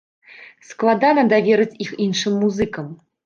Складана даверыць іх іншым музыкам.